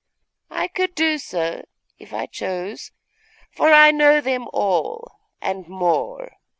I could do so, if I chose; for I know them all and more.